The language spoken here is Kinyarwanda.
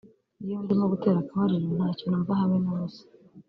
Iyo ndimo gutera akabariro ntacyo numva habe na busa